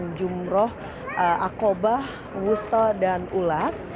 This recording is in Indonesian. pelontaran jumroh akobah wusta dan ulat